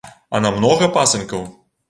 А на многа пасынкаў?